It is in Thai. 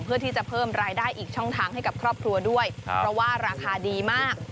เพื่อที่จะเพิ่มรายได้อีกช่องทางให้กับครอบครัวด้วยเพราะว่าราคาดีมาก